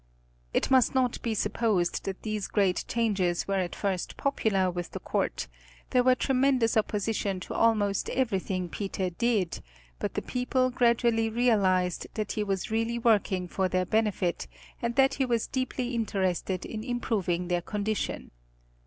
It must not be supposed that these great changes were at first popular with the court; there was tremendous opposition to almost everything Peter did, but the people gradually realized that he was really working for their benefit and that he was deeply interested in improving their condition.